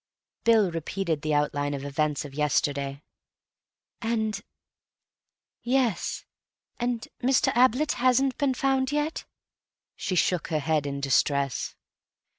Bill repeated the outline of events of yesterday. "Yes.... And Mr. Ablett hasn't been found yet?" She shook her head in distress.